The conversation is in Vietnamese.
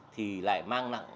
thì lại mang nặng